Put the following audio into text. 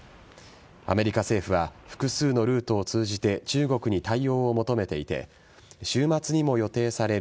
アメリカ政府は複数のルートを通じて中国に対応を求めていて週末にも予定される